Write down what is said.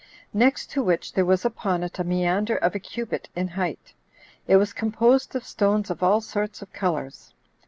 Next to which there was upon it a meander of a cubit in height; it was composed of stones of all sorts of colors.